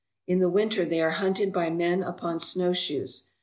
In the winter they are hunted by men upon snowshoes.